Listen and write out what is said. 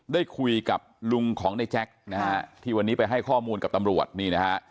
ได้คุยกับลุงของนายแจ็คที่วันนี้ไปให้ข้อมูลกับตำรวจ